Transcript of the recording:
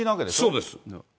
そうです。